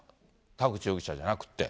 田口容疑者じゃなくって。